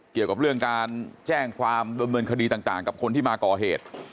เกี่ยวกับเรื่องการแจ้งความดำเนินคดีต่างกับคนที่มาก่อเหตุ